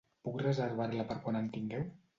Puc reservar-la per quan en tingueu?